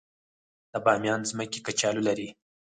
د بامیان ځمکې کچالو لري